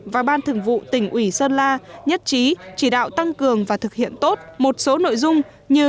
và ban thường vụ tỉnh ủy sơn la nhất trí chỉ đạo tăng cường và thực hiện tốt một số nội dung như